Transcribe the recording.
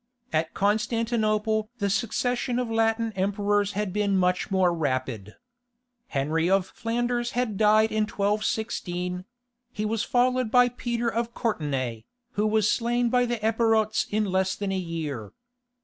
At Constantinople the succession of Latin emperors had been much more rapid. Henry of Flanders had died in 1216; he was followed by Peter of Courtenay, who was slain by the Epirots in less than a year.